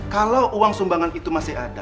kalau uang sumbangan itu masih ada